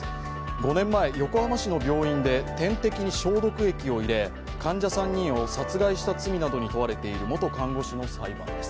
５年前、横浜市の病院で点滴に消毒液を入れ患者３人を殺害した罪などに問われている元看護師の裁判です。